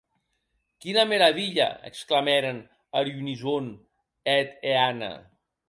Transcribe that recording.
Quina meravilha!, exclamèren ar unisòn eth e Anna.